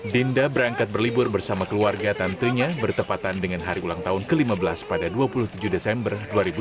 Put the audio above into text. dinda berangkat berlibur bersama keluarga tantenya bertepatan dengan hari ulang tahun ke lima belas pada dua puluh tujuh desember dua ribu dua puluh